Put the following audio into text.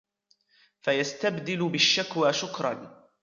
فَيَسْتَبْدِلُ بِالشَّكْوَى شُكْرًا